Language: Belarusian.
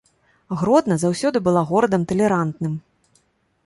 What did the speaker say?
Гродна заўсёды была горадам талерантным.